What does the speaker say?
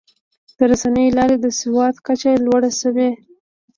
د رسنیو له لارې د سواد کچه لوړه شوې.